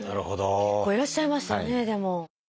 結構いらっしゃいますよねでも。